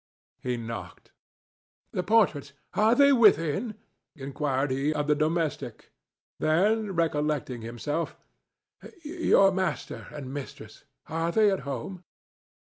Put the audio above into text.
He knocked. "The portraits—are they within?" inquired he of the domestic; then, recollecting himself, "Your master and mistress—are they at home?"